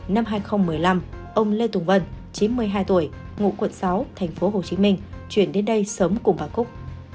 năm hai nghìn một mươi năm ông lê tùng vân chín mươi hai tuổi ngụ quận sáu tp hcm chuyển đến đây sống cùng bà cúc